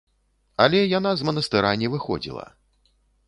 Але яна з манастыра не выходзіла.